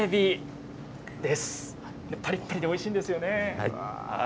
パリパリでおいしいんですよね。